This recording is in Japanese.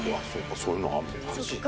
そういうのあるのか。